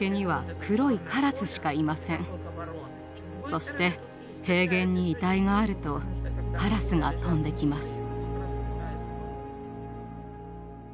そして平原に遺体があるとカラスが飛んできます。